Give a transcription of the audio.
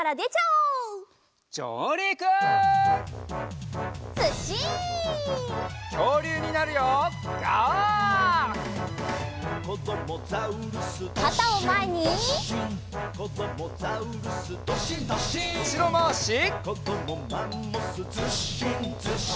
うしろまわし。